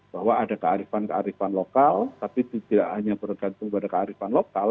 bahwa ada kearifan kearifan lokal tapi tidak hanya bergantung pada kearifan lokal